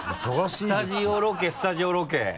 スタジオロケスタジオロケ？